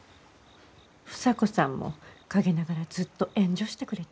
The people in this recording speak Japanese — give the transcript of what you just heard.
房子さんも陰ながらずっと援助してくれている。